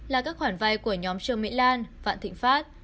là các khoản vay của nhóm trương mỹ lan vạn thịnh pháp